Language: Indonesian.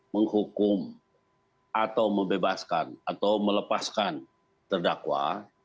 menghukum atau membebaskan atau melepaskan terdakwa